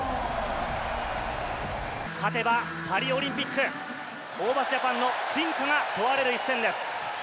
勝てばパリオリンピック、ホーバスジャパンの真価が問われる一戦です。